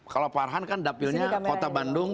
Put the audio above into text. kalau farhan kan dapilnya kota bandung